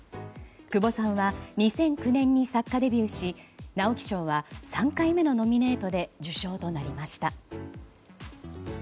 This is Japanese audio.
窪さんは２００９年に作家デビューし直木賞は３回目のノミネートで受賞となりました。